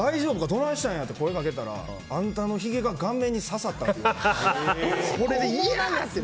どないしたんやって声掛けたらあんたのひげが顔面に刺さったと言われて。